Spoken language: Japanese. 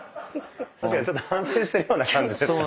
確かにちょっと反省してるような感じですか。